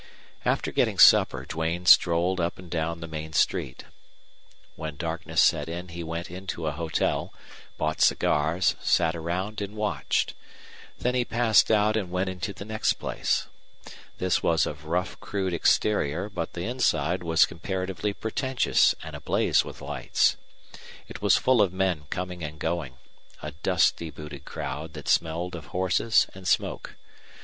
After getting supper Duane strolled up and down the main street. When darkness set in he went into a hotel, bought cigars, sat around, and watched. Then he passed out and went into the next place. This was of rough crude exterior, but the inside was comparatively pretentious and ablaze with lights. It was full of men coming and going a dusty booted crowd that smelled of horses and smoke.